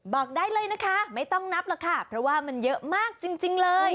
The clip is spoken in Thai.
บอกได้เลยนะคะไม่ต้องนับหรอกค่ะเพราะว่ามันเยอะมากจริงเลย